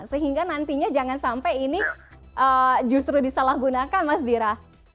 sehingga nantinya jangan sampai ini justru disalahgunakan mas dira